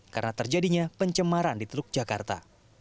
karena terjadinya pencemaran di teluk jakarta